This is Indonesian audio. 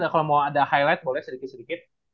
kalau mau ada highlight boleh sedikit sedikit